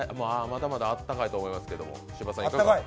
まだまだあったかいと思いますけど。